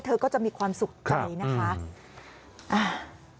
เธอก็จะมีความสุขใจนะคะ